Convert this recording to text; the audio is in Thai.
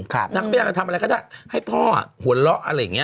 นางก็พยายามจะทำอะไรก็ได้ให้พ่อหัวเราะอะไรอย่างนี้